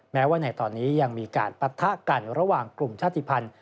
แม้ว่าในตอนนี้ยังมีการปะทะกันระหว่างกลุ่มชาติภัณฑ์